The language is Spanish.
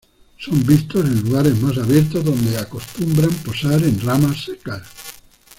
Son vistos en lugares más abiertos donde acostumbran posar en ramas secas.